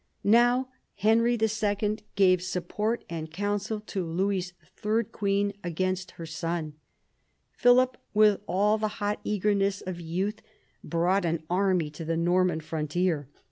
Now Henry II. gave support and counsel to Louis's third queen against her son. Philip, with all the hot eagerness of youth, brought an army to the Norman frontier.